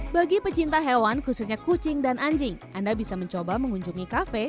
bagi pecinta hewan khususnya kucing dan anjing anda bisa mencoba mengunjungi kafe